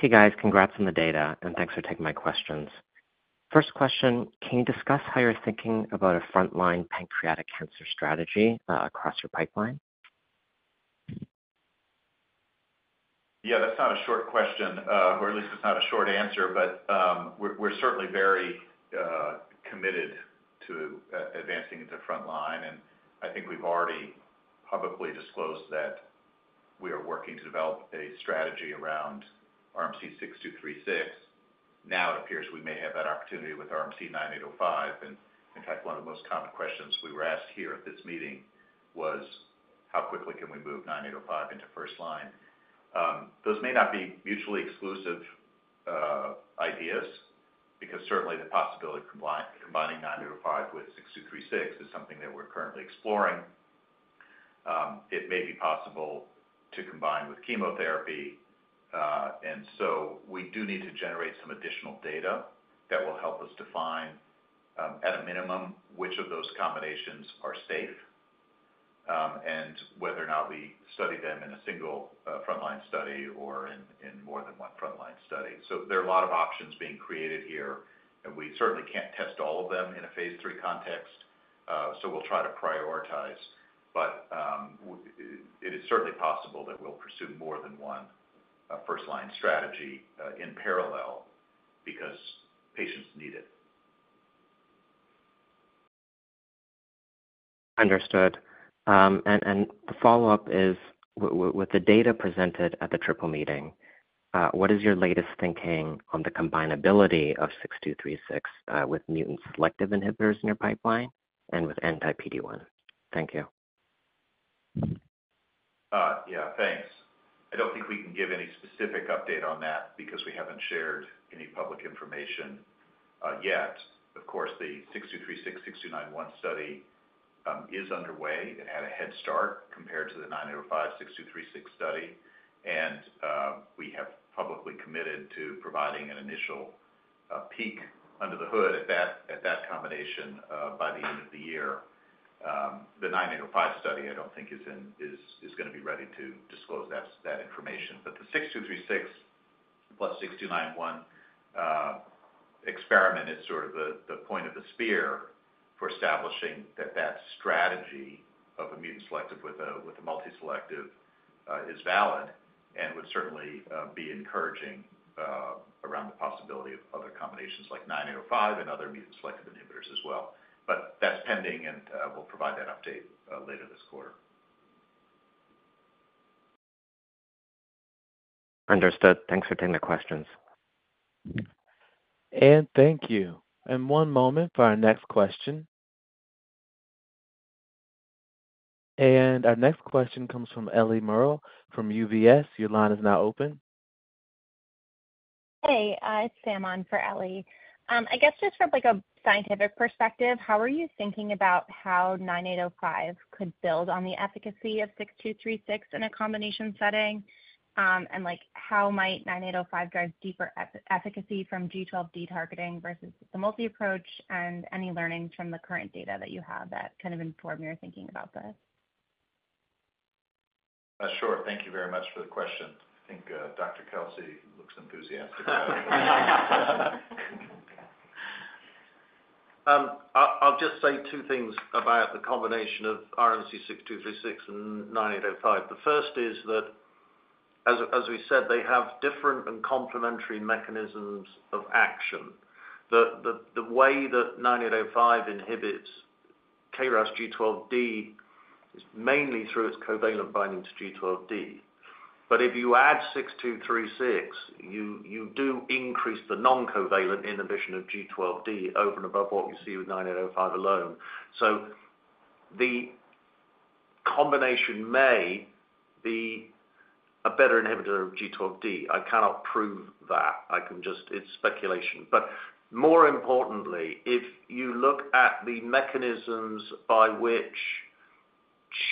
Hey, guys. Congrats on the data, and thanks for taking my questions. First question, can you discuss how you're thinking about a frontline pancreatic cancer strategy across your pipeline? Yeah, that's not a short question, or at least it's not a short answer, but we're certainly very committed to advancing into frontline. I think we've already publicly disclosed that we are working to develop a strategy around RMC-6236. Now, it appears we may have that opportunity with RMC-9805, and in fact, one of the most common questions we were asked here at this meeting was: How quickly can we move 9805 into first line? Those may not be mutually exclusive ideas, because certainly the possibility combining 9805 with 6236 is something that we're currently exploring. It may be possible to combine with chemotherapy, and so we do need to generate some additional data that will help us define, at a minimum, which of those combinations are safe, and whether or not we study them in a single, frontline study or in more than one frontline study. So there are a lot of options being created here, and we certainly can't test all of them in a phase III context, so we'll try to prioritize. But, it is certainly possible that we'll pursue more than one, first-line strategy, in parallel because patients need it. Understood. The follow-up is, with the data presented at the triple meeting, what is your latest thinking on the combinability of RMC-6236 with mutant selective inhibitors in your pipeline and with anti-PD-1? Thank you. Yeah, thanks. I don't think we can give any specific update on that because we haven't shared any public information yet. Of course, the RMC-6236, RMC-6291 study is underway. It had a head start compared to the RMC-9805, RMC-6236 study, and we have publicly committed to providing an initial peek under the hood at that combination by the end of the year. The RMC-9805 study, I don't think is gonna be ready to disclose that information. But the RMC-6236 plus RMC-6291 experiment is sort of the point of the spear for establishing that strategy of a mutant selective with a multi-selective is valid and would certainly be encouraging around the possibility of other combinations like RMC-9805 and other mutant selective inhibitors as well. But that's pending, and we'll provide that update later this quarter. Understood. Thanks for taking the questions. Thank you. One moment for our next question. Our next question comes from Ellie Merle from UBS. Your line is now open. Hey, it's Sam on for Ellie. I guess just from, like, a scientific perspective, how are you thinking about how Nine eight oh five could build on the efficacy of 6236 in a combination setting? And like, how might Nine eight oh five drive deeper efficacy from G-twelve D targeting versus the multi-approach, and any learnings from the current data that you have that kind of inform your thinking about this? Sure. Thank you very much for the question. I think, Dr. Kelsey looks enthusiastic about it. I'll just say two things about the combination of RMC-6236 and RMC-9805. The first is that as we said, they have different and complementary mechanisms of action. The way that RMC-9805 inhibits KRAS G12D is mainly through its covalent binding to G12D. But if you add RMC-6236, you do increase the non-covalent inhibition of G12D over and above what you see with RMC-9805 alone. So the combination may be a better inhibitor of G12D. I cannot prove that. I can just it's speculation. But more importantly, if you look at the mechanisms by which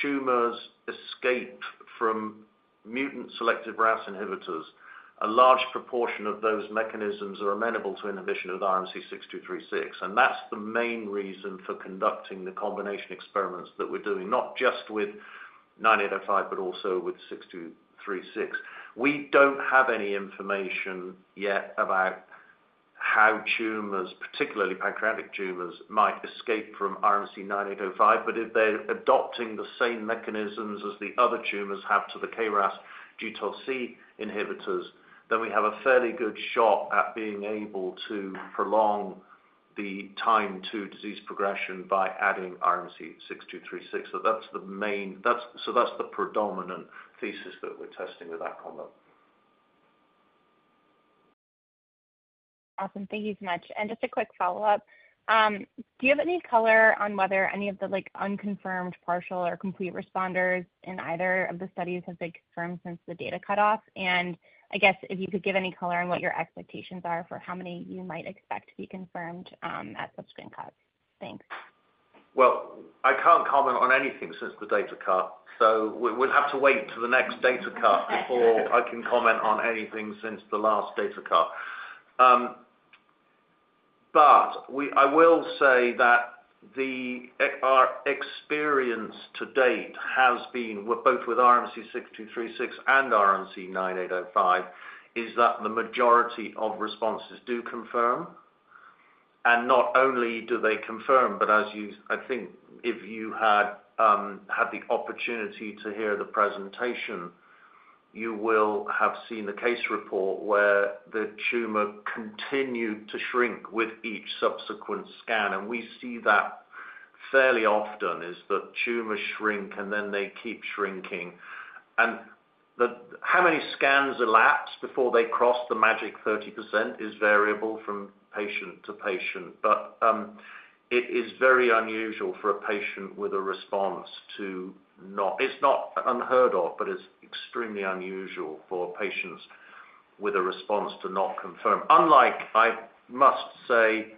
tumors escape from mutant selective RAS inhibitors, a large proportion of those mechanisms are amenable to inhibition of RMC-6236, and that's the main reason for conducting the combination experiments that we're doing, not just with 9805, but also with 6236. We don't have any information yet about how tumors, particularly pancreatic tumors, might escape from RMC-9805, but if they're adopting the same mechanisms as the other tumors have to the KRAS G12C inhibitors, then we have a fairly good shot at being able to prolong the time to disease progression by adding RMC-6236. So that's the predominant thesis that we're testing with that combo. Awesome. Thank you so much. And just a quick follow-up. Do you have any color on whether any of the, like, unconfirmed, partial or complete responders in either of the studies have been confirmed since the data cutoff? And I guess if you could give any color on what your expectations are for how many you might expect to be confirmed at subsequent cuts? Thanks. I can't comment on anything since the data cut, so we'll have to wait till the next data cut before I can comment on anything since the last data cut. But we-- I will say that the, our experience to date has been, with both RMC-6236 and RMC-9805, is that the majority of responses do confirm. And not only do they confirm, but as you-- I think if you had had the opportunity to hear the presentation, you will have seen the case report where the tumor continued to shrink with each subsequent scan. And we see that fairly often, is the tumors shrink and then they keep shrinking. How many scans elapse before they cross the magic 30% is variable from patient to patient, but it is very unusual for a patient with a response to not confirm. It's not unheard of, but it's extremely unusual for patients with a response to not confirm. Unlike, I must say,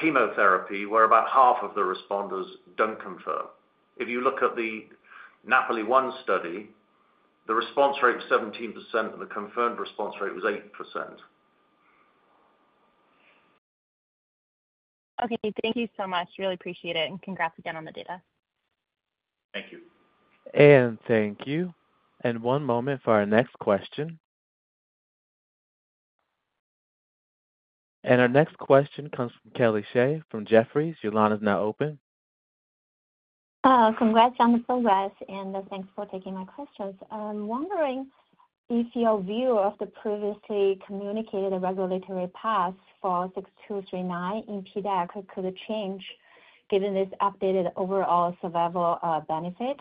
chemotherapy, where about half of the responders don't confirm. If you look at the Napoli-1 study, the response rate was 17%, and the confirmed response rate was 8%. Okay, thank you so much. Really appreciate it, and congrats again on the data. Thank you. Thank you. One moment for our next question. Our next question comes from Kelly Shi from Jefferies. Your line is now open. Congrats on the progress, and thanks for taking my questions. I'm wondering if your view of the previously communicated regulatory path for six two three nine in PDAC could change given this updated overall survival benefit?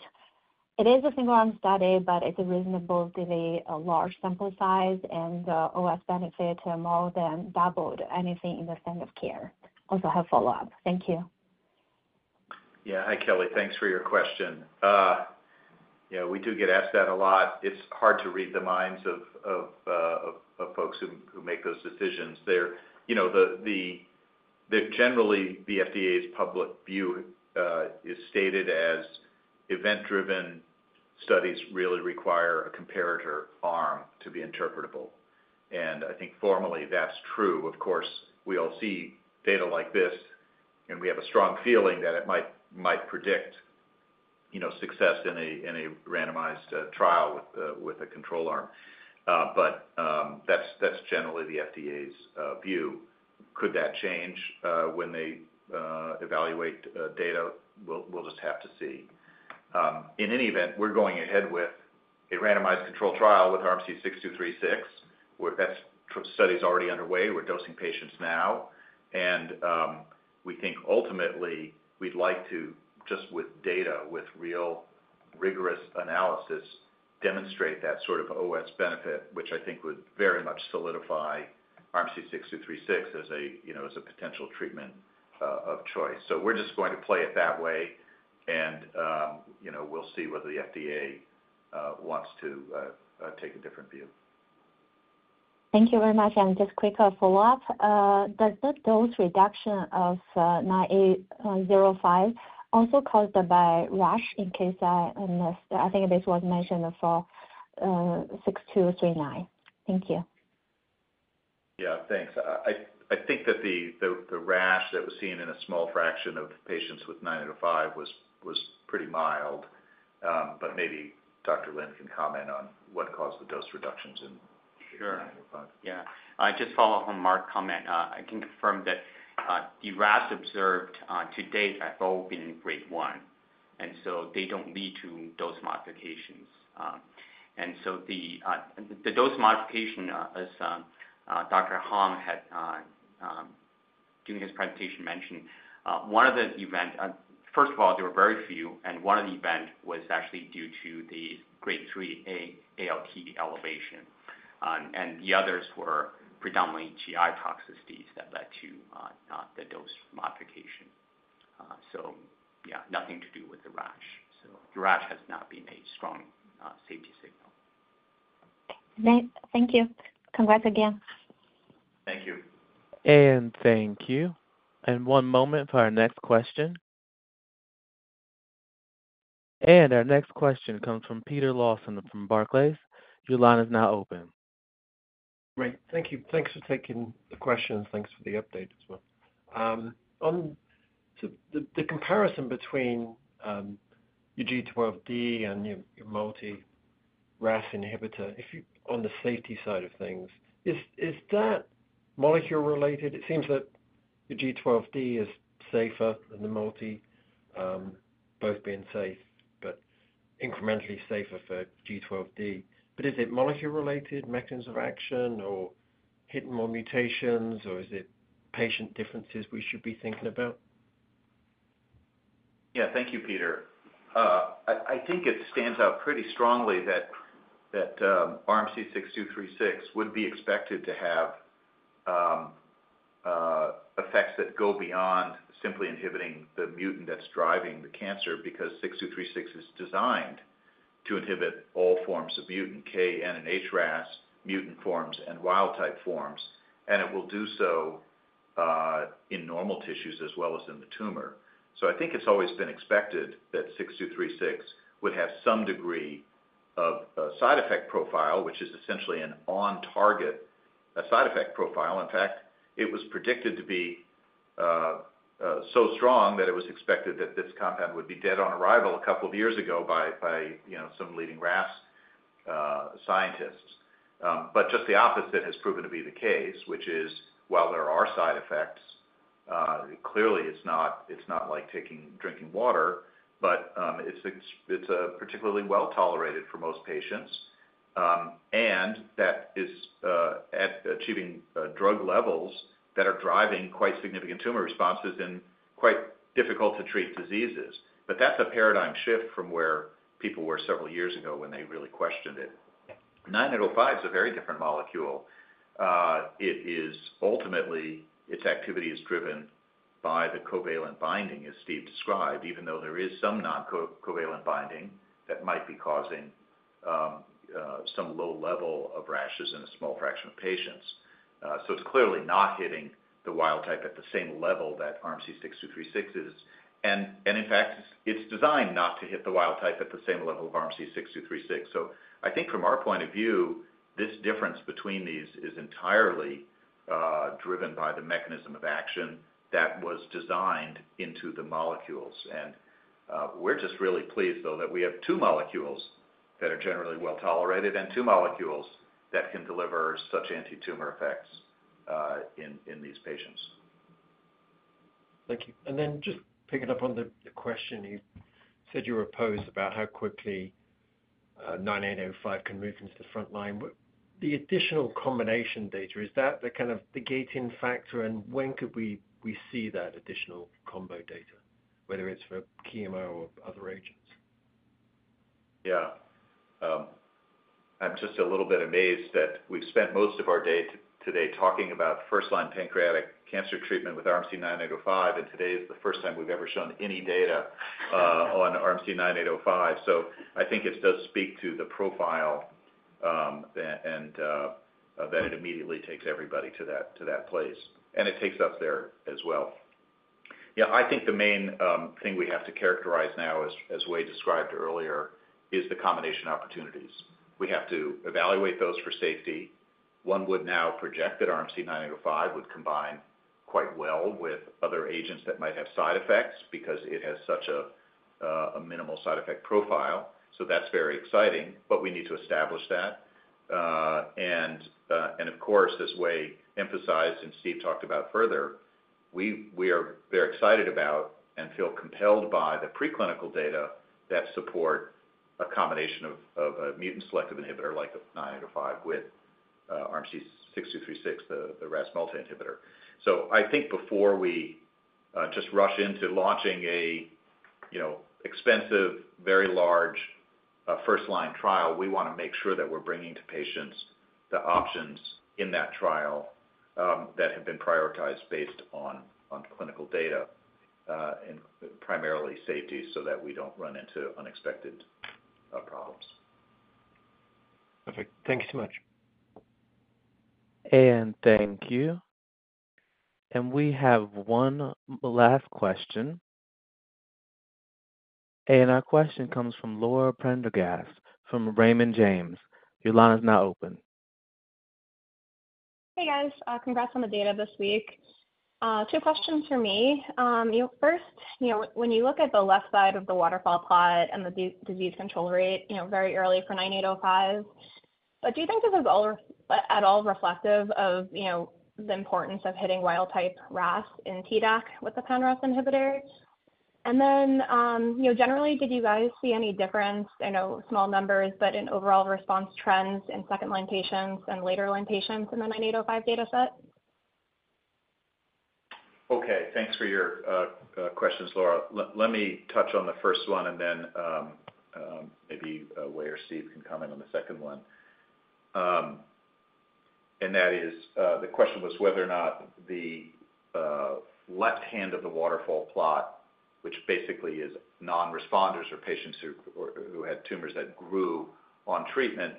It is a single-arm study, but it's a reasonable delay, a large sample size, and OS benefit more than doubled anything in the standard of care. Also, I have follow-up. Thank you. Yeah. Hi, Kelly. Thanks for your question. Yeah, we do get asked that a lot. It's hard to read the minds of folks who make those decisions. They're, you know, generally, the FDA's public view is stated as event-driven studies really require a comparator arm to be interpretable, and I think formally, that's true. Of course, we all see data like this, and we have a strong feeling that it might predict, you know, success in a randomized trial with a control arm, but that's generally the FDA's view. Could that change when they evaluate data? We'll just have to see. In any event, we're going ahead with a randomized control trial with RMC-6236, where that study is already underway. We're dosing patients now, and we think ultimately we'd like to, just with data, with real rigorous analysis, demonstrate that sort of OS benefit, which I think would very much solidify RMC-6236 as a, you know, as a potential treatment of choice. So we're just going to play it that way, and you know, we'll see whether the FDA take a different view. Thank you very much. And just quick follow-up. Does the dose reduction of 9805 also caused by rash in case I missed? I think this was mentioned for 6236. Thank you. Yeah, thanks. I think that the rash that was seen in a small fraction of patients with RMC-9805 was pretty mild. But maybe Dr. Lin can comment on what caused the dose reductions in-... Sure. Yeah, just follow up on Mark's comment. I can confirm that the rashes observed to date have all been grade one, and so they don't lead to dose modifications. And so the dose modification as Dr. Hong had during his presentation mentioned one of the events. First of all, there were very few, and one of the events was actually due to the grade three ALT elevation. And the others were predominantly GI toxicities that led to the dose modification. So yeah, nothing to do with the rash. So the rash has not been a strong safety signal. Okay, thank you. Congrats again. Thank you. Thank you. One moment for our next question. Our next question comes from Peter Lawson from Barclays. Your line is now open. Great. Thank you. Thanks for taking the questions, thanks for the update as well. On to the comparison between your G12D and your multi RAS inhibitor. On the safety side of things, is that molecule-related? It seems that the G12D is safer than the multi, both being safe, but incrementally safer for G12D. But is it molecule-related, mechanisms of action, or hitting more mutations, or is it patient differences we should be thinking about? Yeah, thank you, Peter. I think it stands out pretty strongly that RMC-6236 would be expected to have effects that go beyond simply inhibiting the mutant that's driving the cancer, because RMC-6236 is designed to inhibit all forms of mutant K-, N-, and H-RAS mutant forms and wild-type forms, and it will do so in normal tissues as well as in the tumor. So I think it's always been expected that RMC-6236 would have some degree of side effect profile, which is essentially an on-target side effect profile. In fact, it was predicted to be so strong that it was expected that this compound would be dead on arrival a couple of years ago by you know, some leading RAS scientists. But just the opposite has proven to be the case, which is, while there are side effects, clearly it's not like taking drinking water, but it's a particularly well-tolerated for most patients, and that is at achieving drug levels that are driving quite significant tumor responses in quite difficult to treat diseases. That's a paradigm shift from where people were several years ago when they really questioned it. RMC-9805 is a very different molecule. It is ultimately, its activity is driven by the covalent binding, as Steve described, even though there is some non-covalent binding that might be causing some low level of rashes in a small fraction of patients. So it's clearly not hitting the wild-type at the same level that RMC-6236 is. And in fact, it's designed not to hit the wild type at the same level of RMC -6236. So I think from our point of view, this difference between these is entirely driven by the mechanism of action that was designed into the molecules. And we're just really pleased, though, that we have two molecules that are generally well-tolerated and two molecules that can deliver such antitumor effects in these patients. Thank you, and then just picking up on the question you said you were posed about how quickly 9805 can move into the front line. With the additional combination data, is that the kind of gating factor, and when could we see that additional combo data, whether it's for chemo or other agents? Yeah. I'm just a little bit amazed that we've spent most of our day today talking about first-line pancreatic cancer treatment with RMC-9805, and today is the first time we've ever shown any data on RMC-9805. So I think it does speak to the profile, and that it immediately takes everybody to that place, and it takes us there as well. Yeah, I think the main thing we have to characterize now, as Wei described earlier, is the combination opportunities. We have to evaluate those for safety. One would now project that RMC-9805 would combine quite well with other agents that might have side effects, because it has such a minimal side effect profile. So that's very exciting, but we need to establish that. And of course, as Wei emphasized and Steve talked about further, we are very excited about and feel compelled by the preclinical data that support a combination of a mutant selective inhibitor like RMC-9805 with RMC-6236, the RAS multi inhibitor. So I think before we just rush into launching a, you know, expensive, very large first-line trial, we wanna make sure that we're bringing to patients the options in that trial that have been prioritized based on clinical data and primarily safety, so that we don't run into unexpected problems. Perfect. Thank you so much. Thank you. We have one last question. Our question comes from Laura Prendergast, from Raymond James. Your line is now open.... Hey, guys, congrats on the data this week. Two questions for me. You know, first, you know, when you look at the left side of the waterfall plot and the disease control rate, you know, very early for 9805, do you think this is all, at all reflective of, you know, the importance of hitting wild-type RAS in PDAC with the pan-RAS inhibitor? And then, you know, generally, did you guys see any difference, I know, small numbers, but in overall response trends in second-line patients and later-line patients in the 9805 data set? Okay, thanks for your questions, Laura. Let me touch on the first one, and then, maybe, Wei or Steve can comment on the second one. And that is, the question was whether or not the left hand of the waterfall plot, which basically is non-responders or patients who, or who had tumors that grew on treatment,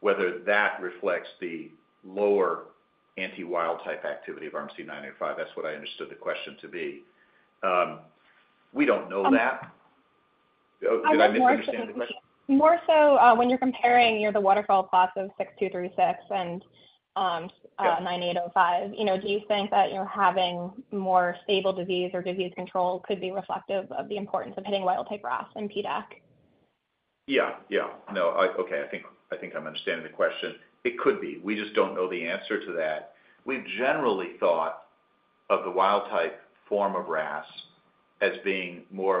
whether that reflects the lower anti-wild-type activity of RMC-9805. That's what I understood the question to be. We don't know that. Did I misunderstand the question? More so, when you're comparing, you know, the waterfall plots of six two three six and Yeah... RMC-9805, you know, do you think that, you know, having more stable disease or disease control could be reflective of the importance of hitting wild-type RAS in PDAC? Yeah, yeah. No. Okay, I think I think I'm understanding the question. It could be. We just don't know the answer to that. We've generally thought of the wild-type form of RAS as being more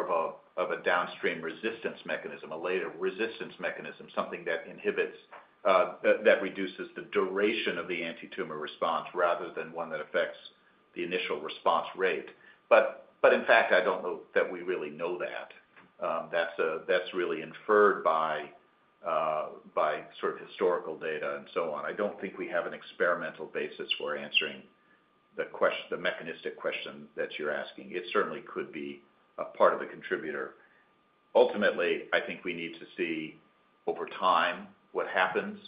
of a downstream resistance mechanism, a later resistance mechanism, something that reduces the duration of the antitumor response rather than one that affects the initial response rate. But in fact, I don't know that we really know that. That's really inferred by sort of historical data and so on. I don't think we have an experimental basis for answering the mechanistic question that you're asking. It certainly could be a part of the contributor. Ultimately, I think we need to see over time what happens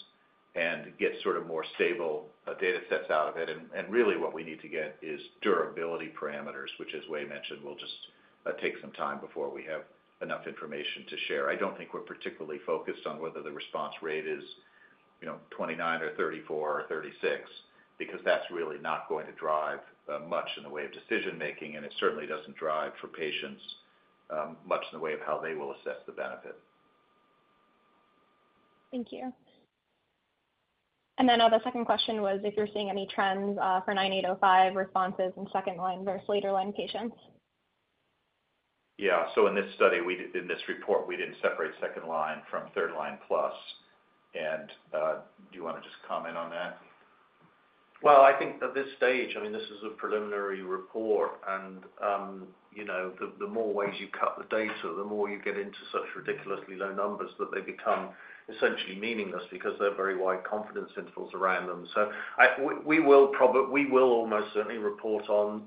and get sort of more stable data sets out of it. Really what we need to get is durability parameters, which, as Wei mentioned, will just take some time before we have enough information to share. I don't think we're particularly focused on whether the response rate is, you know, twenty-nine or thirty-four or thirty-six, because that's really not going to drive much in the way of decision-making, and it certainly doesn't drive for patients much in the way of how they will assess the benefit. Thank you. And then the second question was if you're seeing any trends for RMC-9805 responses in second-line versus later-line patients. Yeah. So in this study, in this report, we didn't separate second line from third line plus. And, do you wanna just comment on that? I think at this stage, I mean, this is a preliminary report, and you know, the more ways you cut the data, the more you get into such ridiculously low numbers that they become essentially meaningless because they're very wide confidence intervals around them. So we will almost certainly report on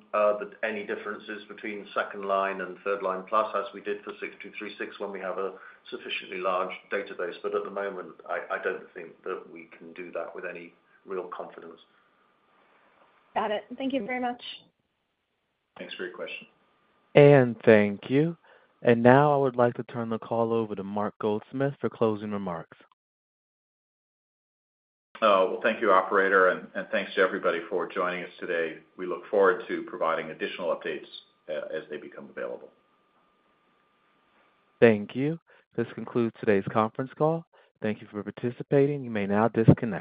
any differences between second line and third line plus, as we did for 6236, when we have a sufficiently large database. But at the moment, I don't think that we can do that with any real confidence. Got it. Thank you very much. Thanks for your question. Thank you. Now I would like to turn the call over to Mark Goldsmith for closing remarks. Oh, well, thank you, operator, and thanks to everybody for joining us today. We look forward to providing additional updates as they become available. Thank you. This concludes today's conference call. Thank you for participating. You may now disconnect.